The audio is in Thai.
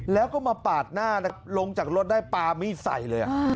แล้วก็มาปาดหน้าลงจากรถได้ปลามีดใส่เลย